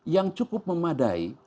yang cukup memadai